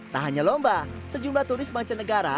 tanya lomba sejumlah turis mancanegara